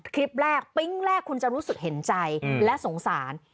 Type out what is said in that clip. คลิปแรกปิ๊งแรกคุณจะรู้สึกเห็นใจและสงสาร